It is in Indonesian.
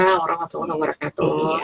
orang orang yang selalu berkat